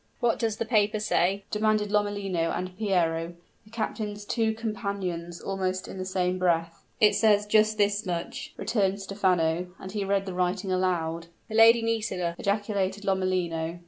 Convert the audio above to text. "What does the paper say?" demanded Lomellino and Piero, the captain's two companions, almost in the same breath. "It says just this much," returned Stephano and he read the writing aloud. "The Lady Nisida!" ejaculated Lomellino.